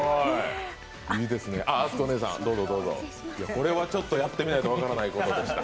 これはちょっとやってみないと分からないことでした。